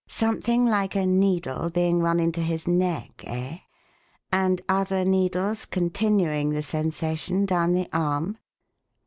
Something like a needle being run into his neck, eh? And other needles continuing the sensation down the arm?